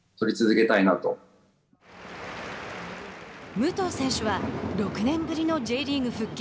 武藤選手は６年ぶりのＪリーグ復帰。